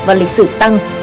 và lịch sử tăng